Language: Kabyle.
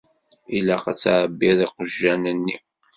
Ilaq ad tεebbiḍ iqjan-nni.